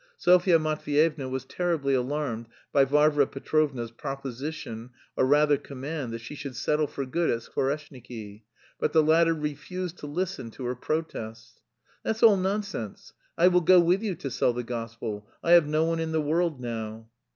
Sofya Matveyevna was terribly alarmed by Varvara Petrovna's proposition, or rather command, that she should settle for good at Skvoreshniki, but the latter refused to listen to her protests. "That's all nonsense! I will go with you to sell the gospel. I have no one in the world now."